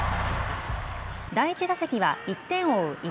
第１打席は１点を追う